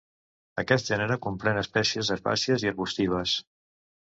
Aquest gènere comprèn espècies herbàcies i arbustives.